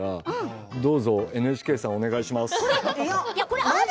どうぞＮＨＫさんお願いします。